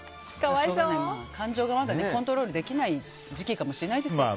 感情がまだコントロールできない時期かもしれないですよね。